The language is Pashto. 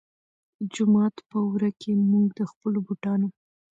جومات پۀ ورۀ کښې مونږ د خپلو بوټانو